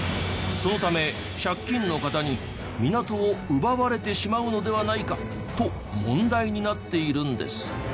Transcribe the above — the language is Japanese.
そのため借金のカタに港を奪われてしまうのではないかと問題になっているんです。